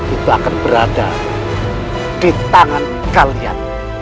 itu akan berada di tangan kalian